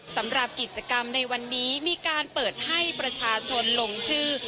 สำหรับกิจกรรมในวันนี้มีการเปิดให้ประชาชนลงชื่อ